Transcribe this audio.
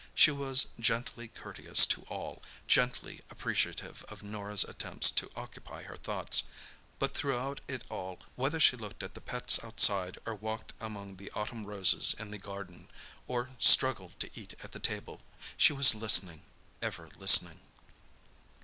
She was gently courteous to all, gently appreciative of Norah's attempts to occupy her thoughts. But throughout it all—whether she looked at the pets outside, or walked among the autumn roses in the garden, or struggled to eat at the table—she was listening, ever listening.